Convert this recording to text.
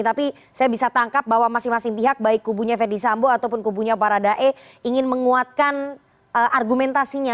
tapi saya bisa tangkap bahwa masing masing pihak baik kubunya verdi sambo ataupun kubunya baradae ingin menguatkan argumentasinya